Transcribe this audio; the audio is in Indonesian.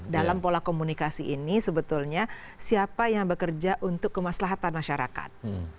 dalam pola komunikasi ini sebetulnya siapa yang bekerja untuk kemaslahatan masyarakat